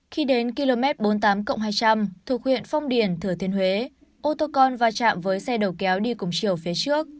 khi đến km bốn mươi tám hai trăm linh thuộc huyện phong điền thừa thiên huế ô tô con va chạm với xe đầu kéo đi cùng chiều phía trước